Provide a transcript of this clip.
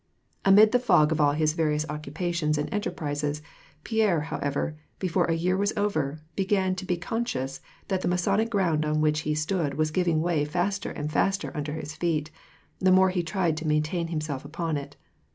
Amid the fog of all his various occupations and enterprises, Pierre, however, before a year was over, began to be conscious that the Masonic ground on which he stood was giving way faster and faster under his feet, the more he tried to maintain himself upon it.